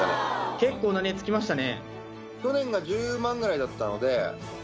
結構な値付きましたね。